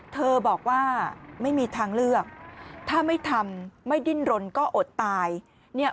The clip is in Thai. เธอบอกว่าไม่มีทางเลือกถ้าไม่ทำไม่ดิ้นรนก็อดตายเนี่ย